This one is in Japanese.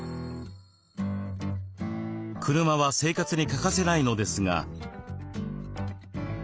車は生活に欠かせないのですが。